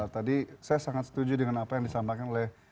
tadi saya sangat setuju dengan apa yang disampaikan oleh